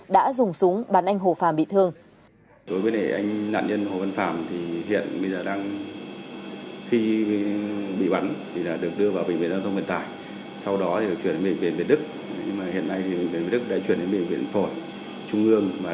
đã dùng súng bắn anh hồ phàm bị thương